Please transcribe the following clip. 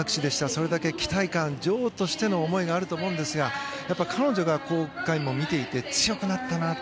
それだけ期待感女王としての思いがあると思うんですがやっぱり彼女今回も見ていて強くなったなと。